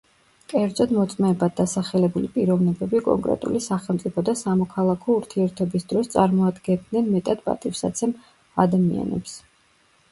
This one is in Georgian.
კერძოდ, „მოწმეებად“ დასახელებული პიროვნებები კონკრეტული სახელმწიფო და სამოქალაქო ურთიერთობის დროს წარმოადგენდნენ „მეტად პატივსაცემ ადამიანებს“.